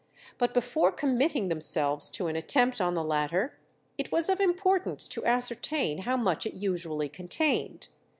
But before committing themselves to an attempt on the latter, it was of importance to ascertain how much it usually contained.